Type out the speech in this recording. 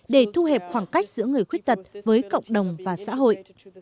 để thu hẹp khoảng cách giữa người khuyết tật với cộng đồng và xã hội